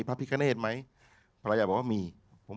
พระพุทธพิบูรณ์ท่านาภิรม